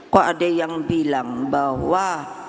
kok ada yang bilang bahwa